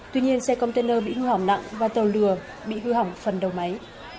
tuy nhiên xe container bị hư hỏng nặng và tàu lửa bị hư hỏng phần đầu máy